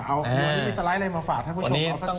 อ้าววันนี้มีสไลด์อะไรมาฝากให้ผู้ชมรอสัก